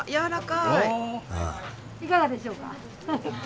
いかがでしょうか？